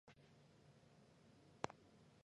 佃是东京都中央区的地名。